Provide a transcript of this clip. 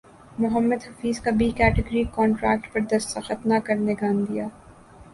محمد حفیظ کا B category contract پر دستخط نہ کرنےکا عندیہ